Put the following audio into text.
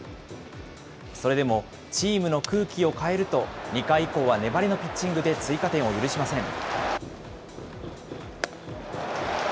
それでもチームの空気を変えると、２回以降は粘りのピッチングで追加点を許しません。